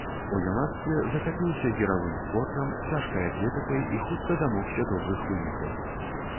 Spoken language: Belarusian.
У юнацтве захапіўся гіравым спортам, цяжкай атлетыкай і хутка дамогся добрых вынікаў.